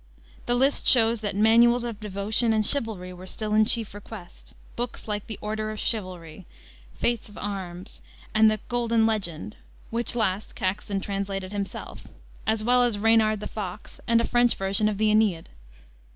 The list shows that manuals of devotion and chivalry were still in chief request, books like the Order of Chivalry, Faits of Arms, and the Golden Legend, which last Caxton translated himself, as well as Reynard the Fox, and a French version of the Aeneid.